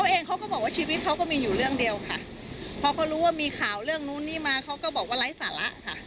เองเขาก็บอกว่าชีวิตเขาก็มีอยู่เรื่องเดียวค่ะพอเขารู้ว่ามีข่าวเรื่องนู้นนี่มาเขาก็บอกว่าไร้สาระค่ะ